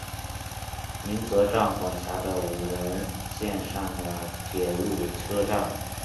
鸣泽站管辖的五能线上的铁路车站。